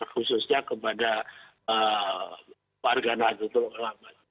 khususnya kepada warga nasional